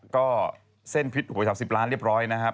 ก็เส้นพิษหวย๓๐ล้านเรียบร้อยนะครับ